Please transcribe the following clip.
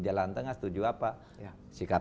jalan tengah setuju apa sikap